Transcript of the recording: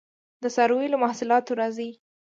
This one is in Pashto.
د څارویو له محصولاتو راځي